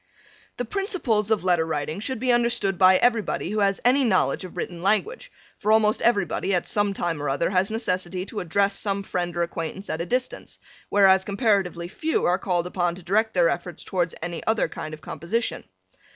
The principles of letter writing should be understood by everybody who has any knowledge of written language, for almost everybody at some time or other has necessity to address some friend or acquaintance at a distance, whereas comparatively few are called upon to direct their efforts towards any other kind of composition.